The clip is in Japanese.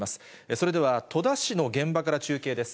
それでは、戸田市の現場から中継です。